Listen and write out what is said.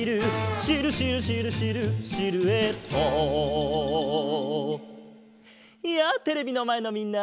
「シルシルシルシルシルエット」やあテレビのまえのみんな！